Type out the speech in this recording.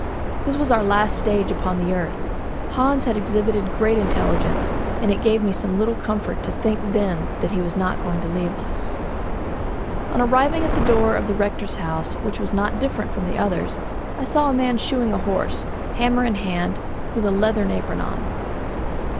This was our last stage upon the earth. Hans had exhibited great intelligence, and it gave me some little comfort to think then that he was not going to leave us. On arriving at the door of the rector's house, which was not different from the others, I saw a man shoeing a horse, hammer in hand, and with a leathern apron on.